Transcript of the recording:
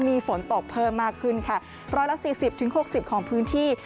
มีฝนตกเพิ่มมากขึ้นค่ะ๑๔๐๖๐ของพื้นที่